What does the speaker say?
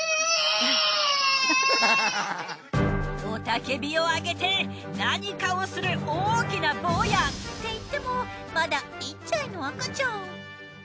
雄たけびをあげて何かをする大きな坊や。って言ってもまだ１歳の赤ちゃん。